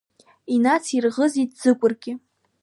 Инацирӷазит Ӡыкәыргьы.